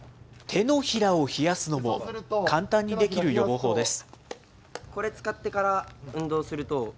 手のひらを冷やすのも、簡単にできる予防法です。